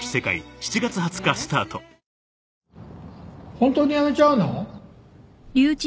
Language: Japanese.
ホントに辞めちゃうの？